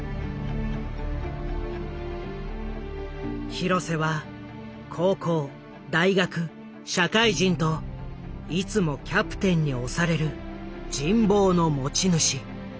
廣瀬は高校大学社会人といつもキャプテンに推される人望の持ち主。